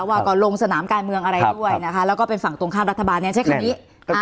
ว่าก็ลงสนามการเมืองอะไรด้วยนะคะแล้วก็เป็นฝั่งตรงข้ามรัฐบาลเนี่ยใช้คำนี้